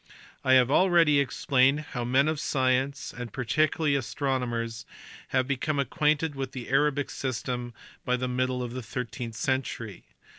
I have already explained how men of science, and particularly astronomers, had become acquainted with the Arabic system by the middle of the thirteenth century.